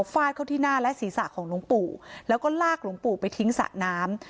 เข้าที่หน้าและศีรษะของหลวงปู่แล้วก็ลากหลวงปู่ไปทิ้งสระน้ำ